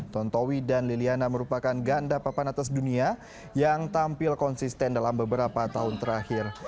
tontowi dan liliana merupakan ganda papan atas dunia yang tampil konsisten dalam beberapa tahun terakhir